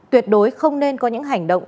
tuyệt đối không nên có những hành động